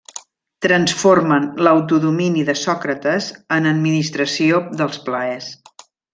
Transformen l'autodomini de Sòcrates en administració dels plaers.